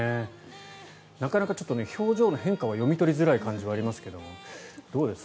なかなか表情の変化は読み取りづらいところはありますがどうです？